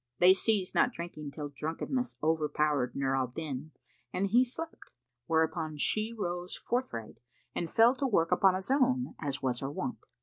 They ceased not drinking till drunkenness overpowered Nur al Din and he slept; whereupon she rose forthright and fell to work upon a zone, as was her wont.